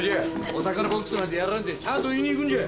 お魚ボックスなんてやらんてちゃんと言いに行くんじゃ！